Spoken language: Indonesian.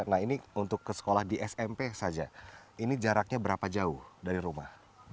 nah ini untuk ke sekolah di smp saja ini jaraknya berapa jauh dari rumah